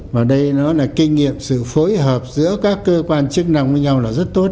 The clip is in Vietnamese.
và đây nó là kinh nghiệm sự phối hợp giữa các cơ quan chức năng với nhau là rất tốt